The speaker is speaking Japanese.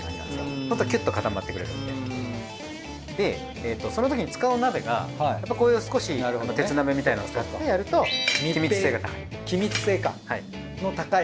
そうするとキュッと固まってくれるのででそのときに使うお鍋がやっぱりこういう少し鉄鍋みたいなのを使ってやると気密性が高い。